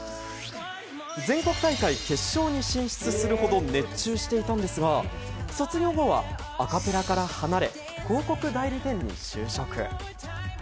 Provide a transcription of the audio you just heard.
全国大会決勝に進出するほど熱中していたんですが、卒業後はアカペラから離れ、広告代理店に就職。